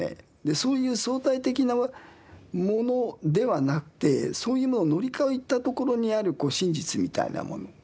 そういう相対的なものではなくてそういうものを乗り越えたところにある真実みたいなもの。